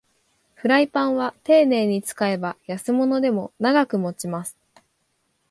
フライパンはていねいに使えば安物でも長く持ちます